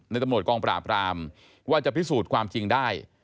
ตำรวจกองปราบรามว่าจะพิสูจน์ความจริงได้